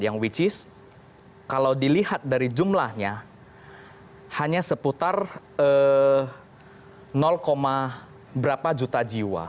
yang which is kalau dilihat dari jumlahnya hanya seputar berapa juta jiwa